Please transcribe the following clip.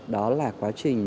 đó là quá trình